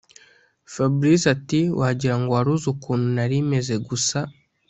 fabric ati”wagira ngo waruzi ukuntu narimeze gusa